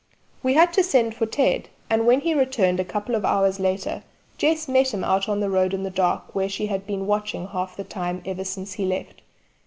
We had to send for Ted, and when he returned a couple of hours later Jess met him out on the road in the dark where she had been watching half the time ever since he left.